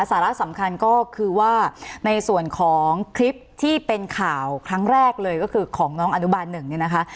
สาระสำคัญก็คือว่าในส่วนของคลิปที่เป็นข่าวครั้งแรกเลยก็คือของน้องอนุบาลหนึ่งเนี่ยนะคะ